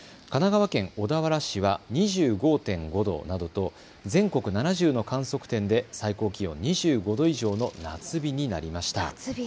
神奈川県小田原市は２５．５度などと全国７０の観測点で最高気温２５度以上の夏日になりました。